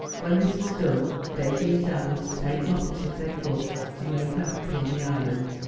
When this was done, Davy and Dan were to take Moppet, if they could, and make her happy on the island.